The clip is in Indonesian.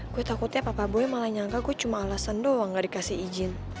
gue takutnya papa boy malah nyangka gue cuma alasan doang gak dikasih izin